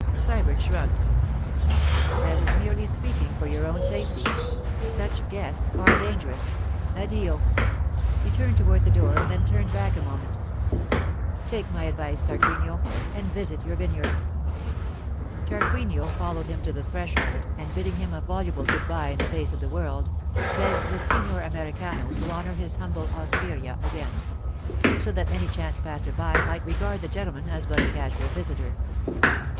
Sybert shrugged. 'I was merely speaking for your own safety. Such guests are dangerous. Addio.' He turned toward the door, and then turned back a moment. 'Take my advice, Tarquinio, and visit your vineyard.' Tarquinio followed him to the threshold, and bidding him a voluble good bye in the face of the world, begged the signor Americano to honour his humble osteria again; so that any chance passer by might regard the gentleman as but a casual visitor.